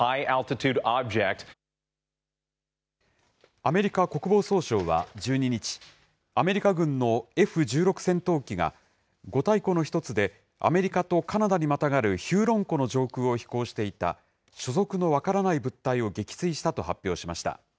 アメリカ国防総省は１２日、アメリカ軍のＦ１６戦闘機が、五大湖の一つでアメリカとカナダにまたがるヒューロン湖の上空を飛行していた所属の分からない物体を撃墜したと発表しました。